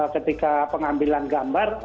ketika pengambilan gambar